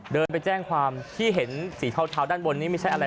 เดินไปแจ้งความที่เห็นสีเทาด้านบนนี้ไม่ใช่อะไร